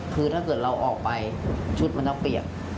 คือถ้าเกิดเราออกไปชุดมันต้องเปียก